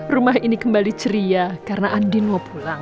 rumah ini kembali ceria karena andin mau pulang